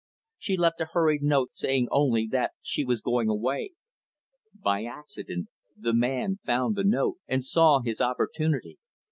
She left a hurried note, saying, only, that she was going away. By accident, the man found the note and saw his opportunity.